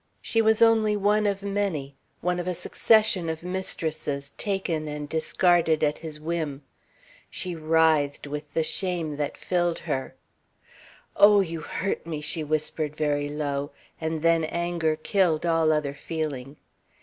She was only one of many, one of a succession of mistresses, taken and discarded at his whim. She writhed with the shame that filled her. "Oh, you hurt me!" she whispered very low, and then anger killed all other feeling.